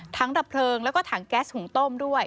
ดับเพลิงแล้วก็ถังแก๊สหุงต้มด้วย